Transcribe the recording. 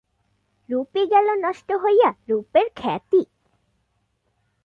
রূপই গেল নষ্ট হইয়া, রূপের খ্যাতি!